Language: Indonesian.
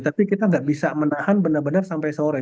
tapi kita nggak bisa menahan benar benar sampai sore